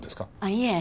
いえ。